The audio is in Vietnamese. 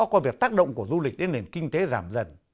qua việc tác động của du lịch đến nền kinh tế giảm dần